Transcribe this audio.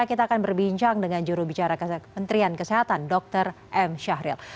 kita akan berbincang dengan jurubicara kementerian kesehatan dr m syahril